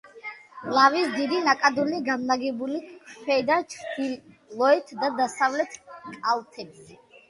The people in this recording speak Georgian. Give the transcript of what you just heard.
ლავის დიდი ნაკადები განლაგებულია ქვედა ჩრდილოეთ და დასავლეთ კალთებზე.